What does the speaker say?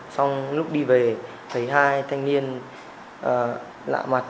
xong lúc đi về thấy hai thanh niên lạ mặt